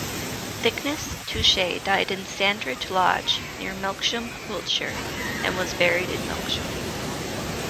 Thicknesse-Touchet died in Sandridge Lodge, near Melksham, Wiltshire and was buried in Melksham.